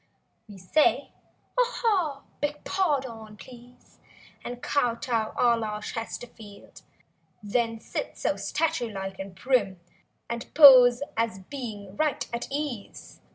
We say "Ah ha!" "Beg pah done, please!" And kow tow a la Chesterfield. Then, sit so statue like and prim. And pose as being right at ease.